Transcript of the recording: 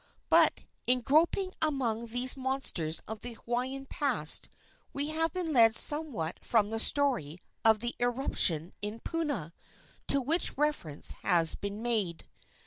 But, in groping among these monsters of the Hawaiian past, we have been led somewhat from the story of the irruption in Puna, to which reference has been made.